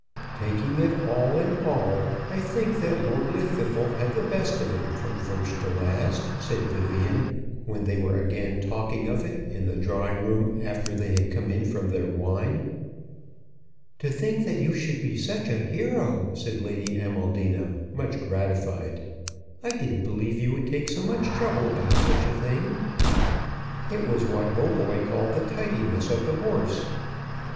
"Taking it all in all, I think that Lord Llwddythlw had the best of it from first to last," said Vivian, when they were again talking of it in the drawing room after they had come in from their wine. "To think that you should be such a hero!" said Lady Amaldina, much gratified. "I didn't believe you would take so much trouble about such a thing." "It was what Hautboy called the tidiness of the horse."